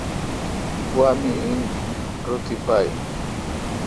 گوا می این رو تی پا این۔